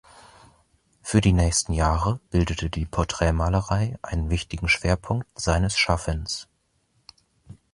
Für die nächsten Jahre bildete die Porträtmalerei einen wichtigen Schwerpunkt seines Schaffens.